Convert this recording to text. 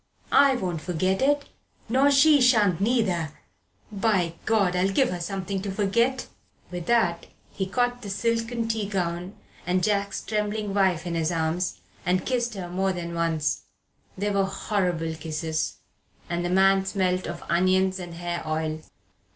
I won't forget it, nor she shan't neither! By God, I'll give her something to forget!" With that he caught the silken tea gown and Jack's trembling wife in his arms and kissed her more than once. They were horrible kisses, and the man smelt of onions and hair oil.